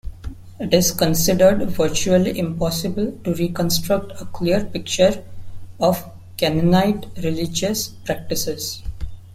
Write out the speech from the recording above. It is considered virtually impossible to reconstruct a clear picture of Canaanite religious practices.